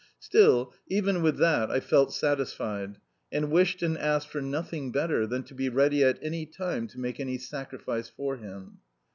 Still, even with that I felt satisfied, and wished and asked for nothing better than to be ready at any time to make any sacrifice for him.